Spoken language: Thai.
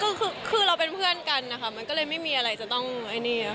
คือคือเราเป็นเพื่อนกันนะคะมันก็เลยไม่มีอะไรจะต้องไอ้นี่ค่ะ